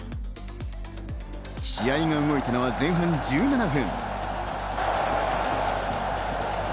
試合が動いたのは前半１７分。